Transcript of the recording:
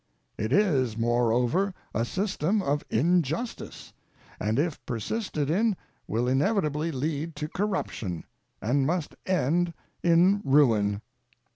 It is, moreover, a system of injustice, and if persisted in will inevitably lead to corruption, and must end in ruin.